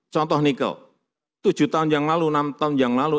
contoh nikel tujuh tahun yang lalu enam tahun yang lalu